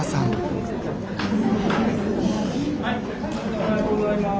おはようございます。